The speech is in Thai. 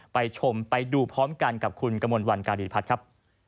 ชมไปดูพร้อมกันกับคุณกระมวลวันการีพัฒน์ครับ